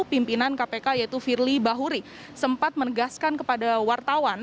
pimpinan kpk yaitu firly bahuri sempat menegaskan kepada wartawan